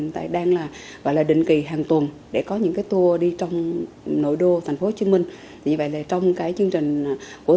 thành phố thủ đức